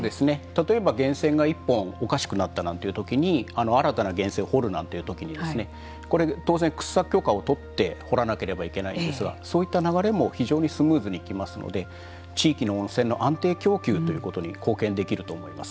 例えば源泉が１本おかしくなったなんていう時に新たな源泉を掘るなんていう時にですねこれ当然掘削許可を取って掘らなければいけないですがそういった流れも非常にスムーズにいきますので地域の温泉の安定供給ということに貢献できると思います。